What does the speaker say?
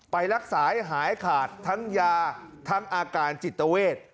ไปรักษาให้หายขาดทั้งยาทั้งอาการจิตเวท